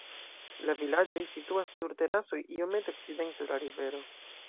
La vilaĝoj situas sur terasoj iomete okcidente de la rivero.